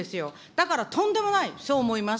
だからとんでもない、そう思います。